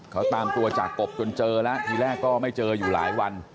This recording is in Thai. เขาตามตัวจากกบจนเจอแล้วทีแรกก็ไม่เจออยู่หลายวัน